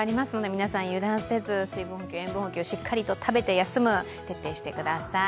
皆さん油断せず、水分補給塩分補給、しっかり食べて休むを徹底してください。